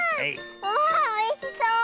わあおいしそう！